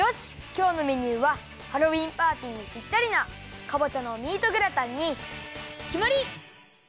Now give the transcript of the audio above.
きょうのメニューはハロウィーンパーティーにぴったりなかぼちゃのミートグラタンにきまり！